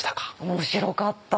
面白かった。